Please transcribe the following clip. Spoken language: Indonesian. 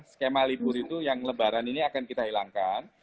skema libur itu yang lebaran ini akan kita hilangkan